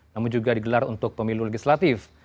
namun juga digelar untuk pemilu legislatif